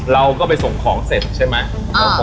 เราก็ไปส่งของเสร็จใช่ไหม